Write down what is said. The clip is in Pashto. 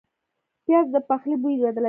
پیاز د پخلي بوی بدلوي